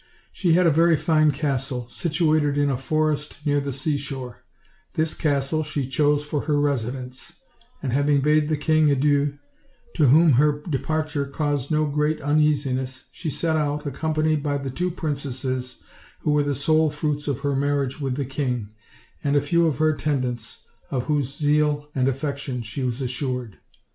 She had a very fine castle, situated in a forest near the seashore; this castle she chose for her residence: and having bade the king adieu, to whom her departure caused no great uneasiness, she set out, accompanied by the two princesses who were the sole fruits of her mar riage with the king, and a few of her attendants, of whose zeal and affection she was assured.